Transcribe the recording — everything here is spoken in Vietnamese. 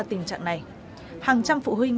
tình trạng này hàng trăm phụ huynh